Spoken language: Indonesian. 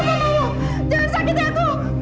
apa kamu jangan sakiti aku